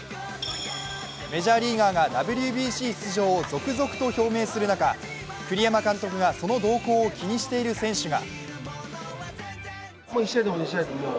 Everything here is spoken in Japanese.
メジャーリーガーがＷＢＣ出場を続々と表明する中栗山監督がその動向を気にしている選手が。